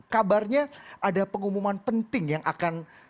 kabarnya ada pengumuman penting yang akan